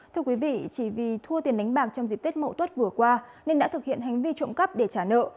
thưa quý vị chỉ vì thua tiền đánh bạc trong dịp tết mậu tuất vừa qua nên đã thực hiện hành vi trộm cắp để trả nợ